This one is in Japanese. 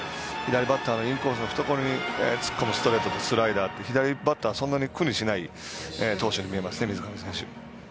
左バッターのインコースのふところにストレートとスライダーって左バッターをそんなに苦にしない投手に見えますね、水上投手は。